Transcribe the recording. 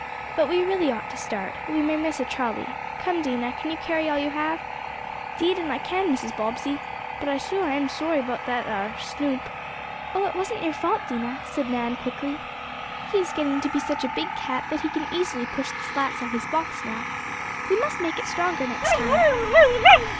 But we really ought to start. We may miss a trolley. Come, Dinah, can you carry all you have?" "'Deed an' I can, Mrs. Bobbsey. But I suah am sorry 'bout dat ar' Snoop." "Oh, it wasn't your fault, Dinah," said Nan quickly. "He is getting to be such a big cat that he can easily push the slats off his box, now. We must make it stronger next time."